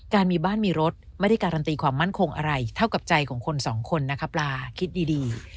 มีบ้านมีรถไม่ได้การันตีความมั่นคงอะไรเท่ากับใจของคนสองคนนะคะปลาคิดดี